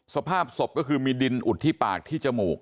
สภาพศพก็คือมีดินอุดที่ปากที่จมูก